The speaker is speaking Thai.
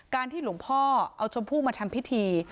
ที่หลวงพ่อเอาชมพู่มาทำพิธี